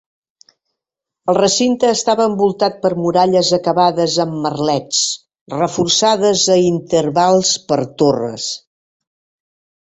El recinte estava envoltat per muralles acabades amb merlets, reforçades a intervals per torres.